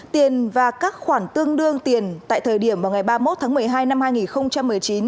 tiền và các khoản tương đương tiền tại thời điểm vào ngày ba mươi một tháng một mươi hai năm hai nghìn một mươi chín